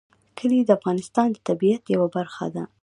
کلي د افغانستان د طبیعت یوه برخه ده.